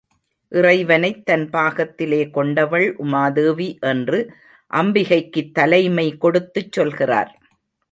இறைவனைத் தன் பாகத்திலே கொண்டவள் உமாதேவி என்று அம்பிகைக்குத் தலைமை கொடுத்துச் சொல்கிறார்.